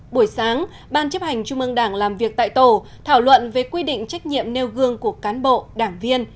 buổi sáng ban chấp hành trung ương đảng làm việc tại tổ thảo luận về quy định trách nhiệm nêu gương của cán bộ đảng viên